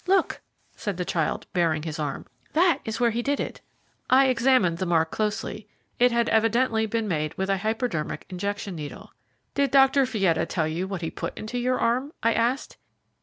Look," said the child, baring his arm, "that is where he did it." I examined the mark closely. It had evidently been made with a hypodermic injection needle. "Did Dr. Fietta tell you what he put into your arm?" I asked.